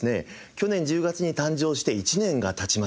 去年１０月に誕生して１年が経ちました。